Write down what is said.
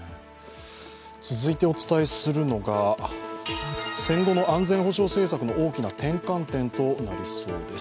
続いてお伝えするのが戦後の安全保障政策の大きな転換点となりそうです。